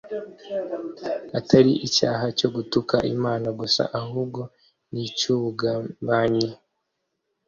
atari icyaha cyo gutuka Imana gusa, ahubwo n’icy’ubugambanyi